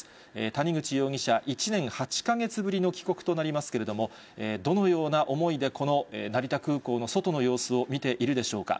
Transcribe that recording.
谷口容疑者、１年８か月ぶりの帰国となりますけれども、どのような思いで、この成田空港の外の様子を見ているでしょうか。